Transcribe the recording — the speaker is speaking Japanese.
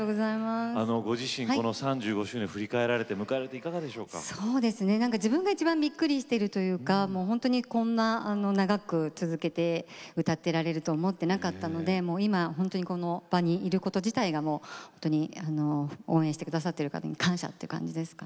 ご自身、この３５周年振り返られて、迎えられて自分が、いちばんびっくりしているというかこんなに長く続けて歌っていられると思ってなかったので今、本当にこの場にいること自体が応援してくださってる方に感謝という感じですね。